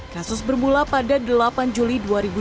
kasus bermula pada delapan juli dua ribu dua puluh